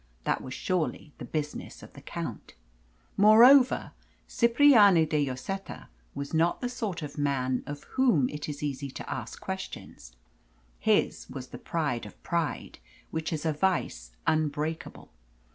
That was surely the business of the count. Moreover, Cipriani de Lloseta was not the sort of man of whom it is easy to ask questions. His was the pride of pride, which is a vice unbreakable.